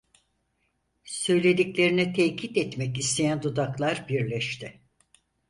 Söylediklerini tekit etmek isteyen dudaklar birleşti.